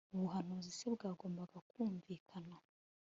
Ubu buhanuzi se bwagombaga kumvikana